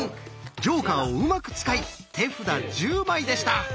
ジョーカーをうまく使い手札１０枚でした。